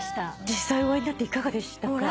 実際お会いになっていかがでしたか？